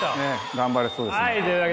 頑張れそうですまた。